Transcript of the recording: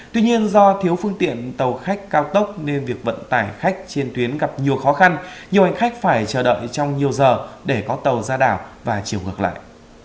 tuy nhiên do thiếu phương tiện tàu khách cao tốc nên việc vận tải khách trên tuyến gặp nhiều khó khăn nhiều hành khách phải chờ đợi trong nhiều giờ để có tàu ra đảo và chiều ngược lại